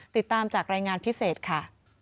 ติดตามจากรายงานพิเศษค่ะ